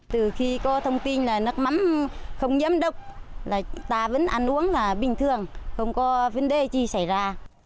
từ khi có thông tin là nước mắm không nhiễm độc ta vẫn ăn uống là bình thường không có vấn đề gì xảy ra